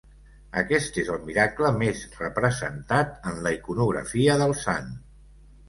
Aquest és el miracle més representat en la iconografia del sant.